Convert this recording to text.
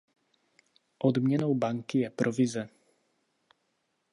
Odměnou banky je provize.